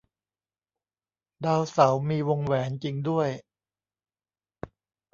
ดาวเสาร์มีวงแหวนจริงด้วย